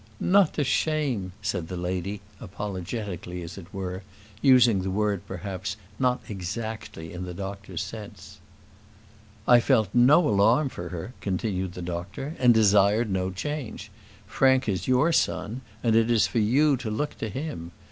"Not to shame," said the lady, apologetically, as it were, using the word perhaps not exactly in the doctor's sense. "I felt no alarm for her," continued the doctor, "and desired no change. Frank is your son, and it is for you to look to him.